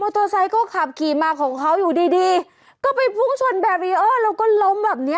โตไซค์ก็ขับขี่มาของเขาอยู่ดีดีก็ไปพุ่งชนแบรีเออร์แล้วก็ล้มแบบเนี้ย